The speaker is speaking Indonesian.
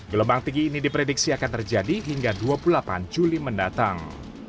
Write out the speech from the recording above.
gelombang tinggi ini diprediksi akan terjadi hingga dua puluh delapan juli mendatang